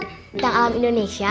tentang alam indonesia